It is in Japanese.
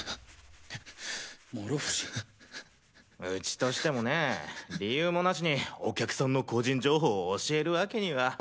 ウチとしてもねぇ理由もなしにお客さんの個人情報を教えるワケには。